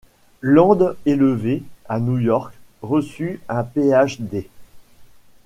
Landes élevé à New York, reçut un Ph.D.